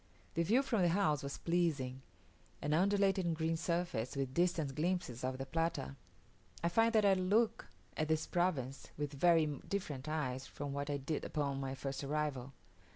The view from the house was pleasing; an undulating green surface, with distant glimpses of the Plata. I find that I look at this province with very different eyes from what I did upon my first arrival.